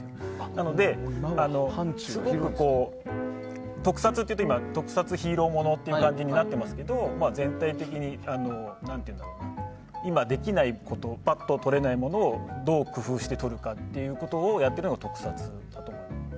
なので、すごく特撮というと今は特撮ヒーローものという感じになっていますが全体的に今、できないことバッと撮れないものをどう工夫して撮るかということをやっているのが特撮だと思います。